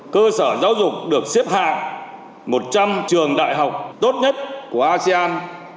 cơ sở giáo dục được xếp hạng một trăm linh trường đại học tốt nhất của asean